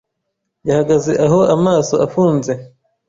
Yahagaze aho amaso afunze.